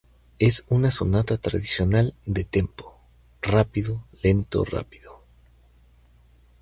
Es una sonata tradicional de "tempo" rápido-lento-rápido.